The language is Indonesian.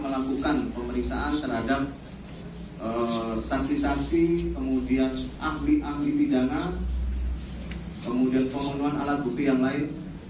melakukan pemeriksaan terhadap saksi saksi kemudian ahli ahli pidana kemudian pemenuhan alat bukti yang lain